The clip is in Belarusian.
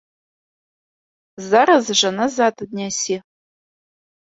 Зараз жа назад аднясі!